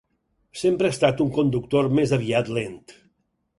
Sempre ha estat un conductor més aviat lent.